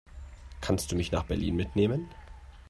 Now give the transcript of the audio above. Kannst du mich nach Berlin mitnehmen?